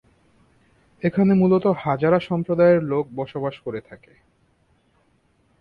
এখানে মুলত হাজারা সম্প্রদায়ের লোক বসবাস করে থাকে।